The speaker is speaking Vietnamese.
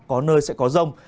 có nơi sẽ có rông